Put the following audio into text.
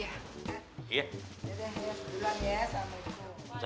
ya ya ya duluan ya sama sama